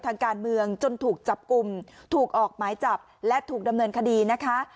ทางการเมืองจนถูกจับกลุ่มถูกออกหมายจับและถูกดำเนินคดีนะคะ